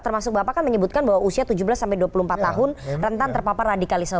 termasuk bapak kan menyebutkan bahwa usia tujuh belas sampai dua puluh empat tahun rentan terpapar radikalisme